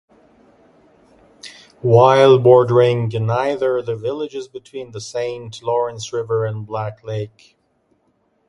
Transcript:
While bordering neither, the village is between the Saint Lawrence River and Black Lake.